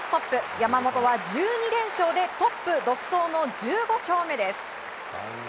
山本は１２連勝でトップ独走の１５勝目です。